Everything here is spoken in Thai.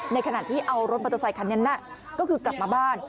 ในขณะที่เอารถมอเตอร์ไซคันนั้นก็คือกลับมาบ้าน